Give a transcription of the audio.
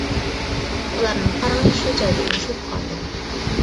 ئۇلارنىڭ پارىڭى شۇ جايدا ئۈزۈلۈپ قالدى.